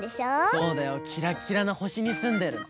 そうだよキラキラのほしにすんでるの！